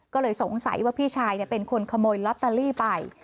ก็เลยสงสัยว่าพี่ชายเป็นคนขโมยลอตเตอรี่ไป